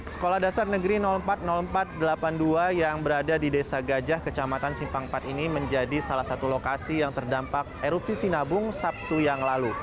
sekolah dasar negeri empat ribu empat ratus delapan puluh dua yang berada di desa gajah kecamatan simpang empat ini menjadi salah satu lokasi yang terdampak erupsi sinabung sabtu yang lalu